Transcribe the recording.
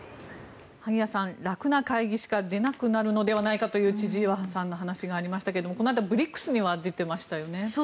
萩谷さん、楽な会議しか出なくなるのではないかという千々岩さんの話がありましたがこの間、ＢＲＩＣＳには出てましたよね。